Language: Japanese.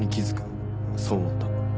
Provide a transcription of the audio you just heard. そう思った。